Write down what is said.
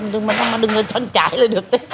đừng có đứng lên chân cháy là được